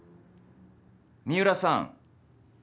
三浦さん。